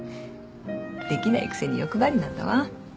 できないくせに欲張りなんだわ。